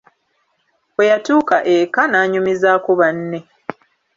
Bwe yatuuka eka n'anyumizaako banne.